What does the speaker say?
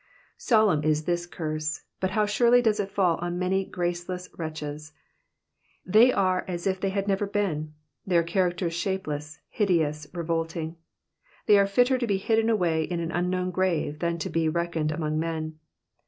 '' Solemn is this curse, but how surely does it fall on many graceless wretches ! They are as if they had never been. Their character is shapeless, hideous, revolting. They are fitter to be hidden away in an unknown grave than to be reckoned among men.